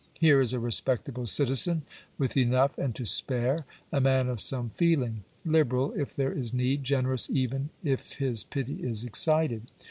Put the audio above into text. Here is a respectable citizen with enough and to spare : a man of some feeling ; liberal, if there is need ; generous even, if his pity is excited.